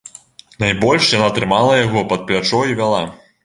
Найбольш яна трымала яго пад плячо і вяла.